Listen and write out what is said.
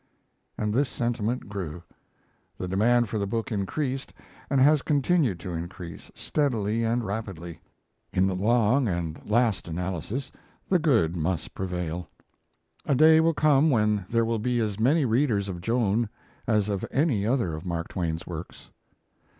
And this sentiment grew. The demand for the book increased, and has continued to increase, steadily and rapidly. In the long and last analysis the good must prevail. A day will come when there will be as many readers of Joan as of any other of Mark Twain's works.